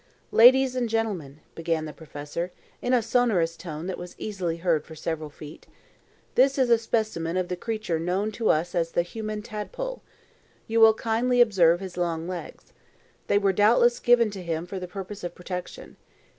"Ladies and gentlemen," began the professor, in a sonorous tone that was easily heard for several feet, "this is a specimen of the creature known to us as the human tadpole. You will kindly observe his long legs. They were doubtless given to him for the purpose of protection.